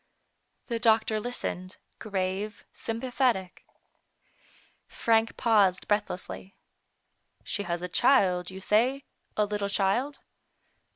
The doctor listened, grave, sympathetic. Frank paused breathlessly. " She has a child, you say — a little child?